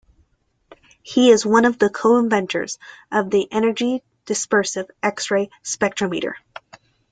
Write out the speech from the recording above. He is one of the co-inventors of the Energy dispersive X-ray spectrometer.